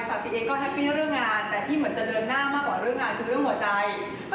สาธิชก็เย็นการเรื่องงานแต่ที่เหมือนจะเดินหน้ามากกว่าเรื่องงานคุณค่ะ